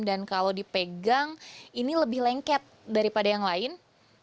kalau dipegang ini lebih lengket daripada yang lain